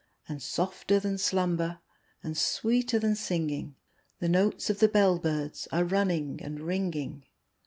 And, softer than slumber, and sweeter than singing, The notes of the bell birds are running and ringing.